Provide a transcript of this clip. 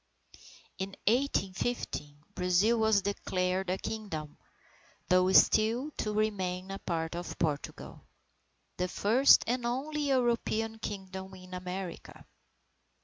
In 1815, Brazil was declared a Kingdom, though still to remain a part of Portugal. The first and only European Kingdom in America!